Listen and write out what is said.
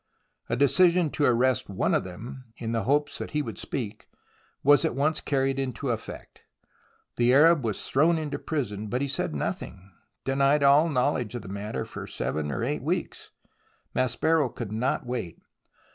A decision to arrest one of them, in the hopes that he would speak, was at once carried into effect. The Arab was thrown into prison, but he said nothing, denied all knowledge of the matter for seven or eight weeks. Maspero could not wait.